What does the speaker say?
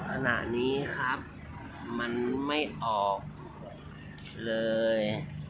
ขณะนี้ครับมันไม่ออกเลย